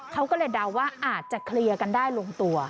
เขาก็เลยเดาว่าอาจจะเคลียร์กันได้ลงตัว